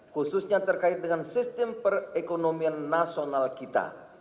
khususnya terkait dengan sistem perekonomian nasional kita